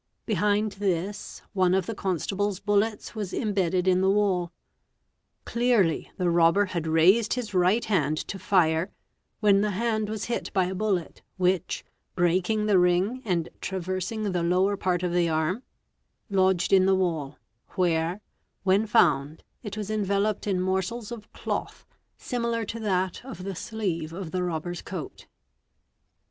Behind this one of the constable's bullets =a bedded in the wall; clearly the robber had raised his right hand t fire, when the hand was hit by a bullet which, breaking the ring ar traversing the lower part of the arm, lodged in the wall, heel found, it was enveloped in morsels of cloth, similar to that of the sleey of the robber's coat.